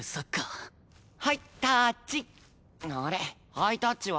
ハイタッチは？